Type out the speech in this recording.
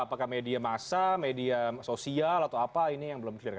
apakah media massa media sosial atau apa ini yang belum clear